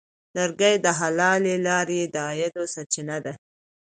لرګی د حلالې لارې د عاید سرچینه ده.